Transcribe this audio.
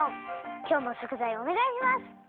きょうもしょくざいおねがいします。